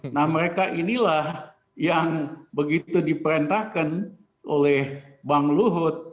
nah mereka inilah yang begitu diperintahkan oleh bang luhut